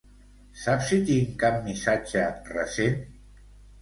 Saps si tinc cap missatge recent?